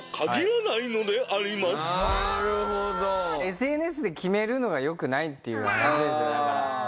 ＳＮＳで決めるのがよくないっていう話ですよだから。